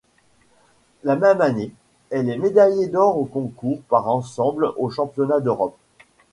La même année, elle est médaillée d'or au concours par ensembles aux Championnats d'Europe.